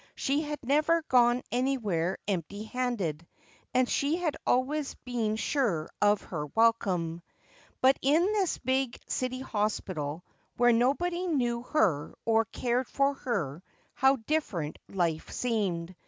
.See had never g >ue ary where enij.ty i.ai.ded, and she had always been sure of iier wtle line. But in t'.is biz city hosprak where nobody knew her or cared for her. how different life seemed